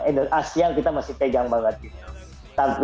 untuk asial kita masih pegang banget